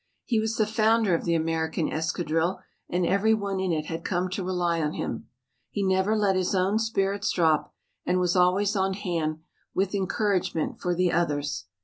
He was the founder of the American escadrille and every one in it had come to rely on him. He never let his own spirits drop, and was always on hand with encouragement for the others.